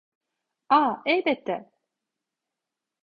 Ah, elbette.